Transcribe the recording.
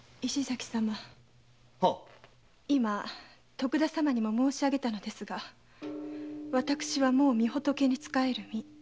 徳田様にも申し上げたのですが私はもうみ仏に仕える身。